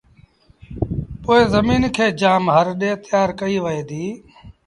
پو زميݩ کي جآم هر ڏي تيآر ڪئيٚ وهي ديٚ